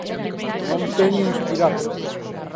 Non teñen espiráculos.